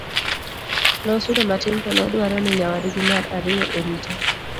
nosudo matin to nodwaro ni nyawadgi mar ariyo orite